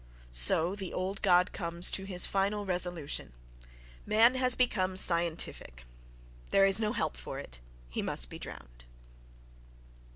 —So the old God comes to his final resolution: "Man has become scientific—there is no help for it: he must be drowned!"...